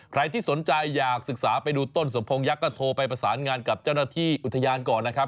ใครที่สนใจอยากศึกษาไปดูต้นสมพงษ์ก็โทรไปประสานงานกับเจ้าหน้าที่อุทยานก่อนนะครับ